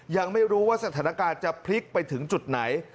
ยังไม่รู้ว่าสถานการณ์จะพลิกไปถึงจุดไหน